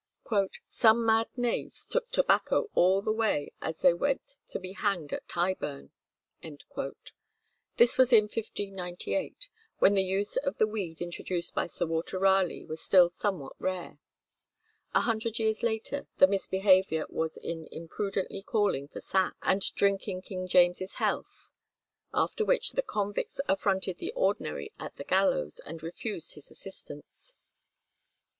"Some mad knaves took tobacco all the way as they went to be hanged at Tyburn." This was in 1598, when the use of the weed introduced by Sir Walter Raleigh was still somewhat rare. A hundred years later the misbehaviour was in "impudently calling for sack" and drinking King James's health; after which the convicts affronted the ordinary at the gallows, and refused his assistance.